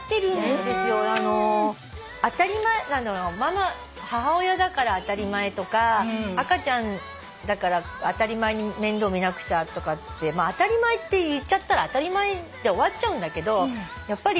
当たり前何だろうな母親だから当たり前とか赤ちゃんだから当たり前に面倒見なくちゃとかってまあ当たり前って言っちゃったら当たり前で終わっちゃうんだけど。